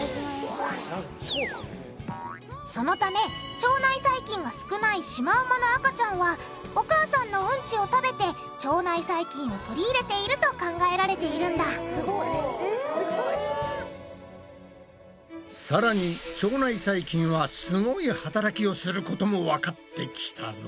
そのため腸内細菌が少ないシマウマの赤ちゃんはお母さんのうんちを食べて腸内細菌を取り入れていると考えられているんださらに腸内細菌はすごい働きをすることもわかってきたぞ。